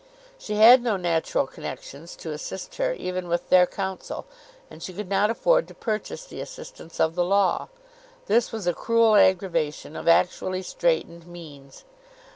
She had no natural connexions to assist her even with their counsel, and she could not afford to purchase the assistance of the law. This was a cruel aggravation of actually straitened means.